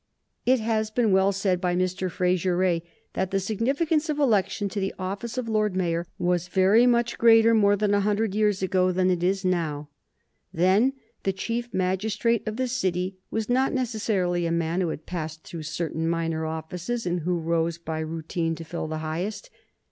It has been well said by Mr. Fraser Rae that the significance of election to the office of Lord Mayor was very much greater more than a hundred years ago than it is now. Then the Chief Magistrate of the City was not necessarily a man who had passed through certain minor offices and who rose by routine to fill the highest.